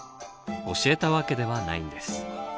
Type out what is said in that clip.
教えたわけではないんです。